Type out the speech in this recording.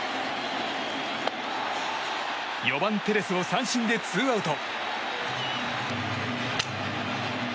４番、テレスを三振でツーアウト。